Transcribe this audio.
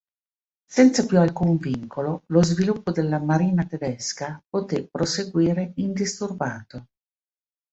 Senza più alcun vincolo, lo sviluppo della Marina tedesca poté proseguire indisturbato.